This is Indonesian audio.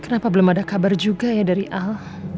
kenapa belum ada kabar juga ya dari al